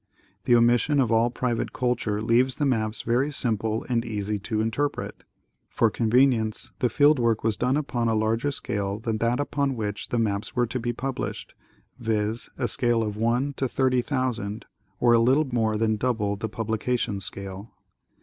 The omis sion of all private culture leaves the maps very simple and easy to interpret. For convenience the field work was done upon a larger scale than that upon which the maps were to be pub lished, viz : a scale of 1 : 30,000, or a little more than double the publication scale.